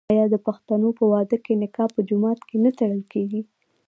آیا د پښتنو په واده کې نکاح په جومات کې نه تړل کیږي؟